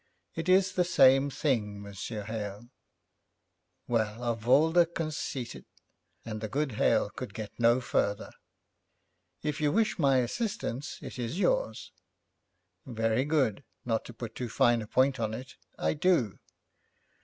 'It is the same thing, Monsieur Hale.' 'Well, of all the conceited ' and the good Hale could get no further. 'If you wish my assistance, it is yours.' 'Very good. Not to put too fine a point upon it, I do.'